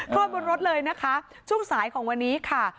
อดบนรถเลยนะคะช่วงสายของวันนี้ค่ะ